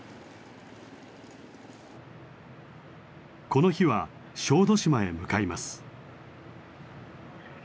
この日は小豆島へ向かいます。